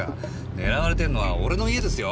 狙われてんのは俺の家ですよ？